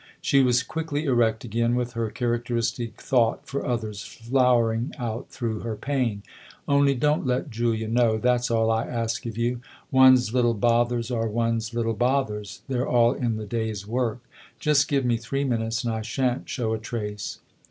She was quickly erect again, with her characteristic thought for others flowering out through her pain. " Only don't let Julia know that's all I ask of you. One's little bothers are one's little bothers they're all in the day's work. Just give me three minutes, and I shan't show a trace."